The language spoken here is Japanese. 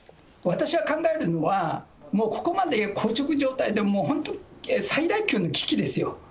私が考えるのは、もうここまで硬直状態で、もう本当に最大級の危機ですよ。